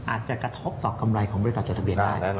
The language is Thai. อาจจะกระทบต่อกำไรของบริษัทจดทะเบียนได้